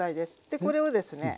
これをですね